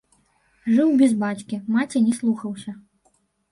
Жыў без бацькі, маці не слухаўся.